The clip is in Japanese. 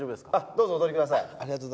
どうぞお通りください。